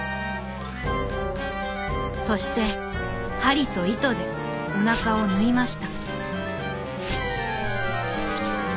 そしてはりといとでおなかをぬいました。